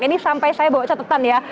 ini sampai saya bawa catatan ya